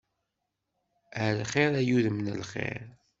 Ɛelxir ay udem n lxir.